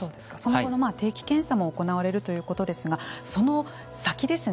その後の定期検査も行われるということですがその先ですね